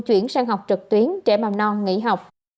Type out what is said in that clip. chuyển sang học trực tuyến trẻ mầm non nghỉ học